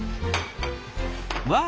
わあ！